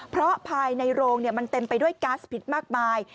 เพราะภายในโรงมันเต็มไปด้วยก๊าซพิษมากมาย